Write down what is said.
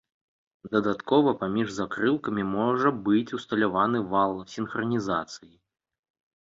Дадаткова паміж закрылкамі можа быць усталяваны вал сінхранізацыі.